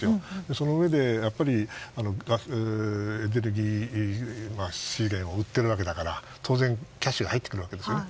そのうえで、ガスエネルギー資源を売っているわけですから当然キャッシュが入ってくるわけですね。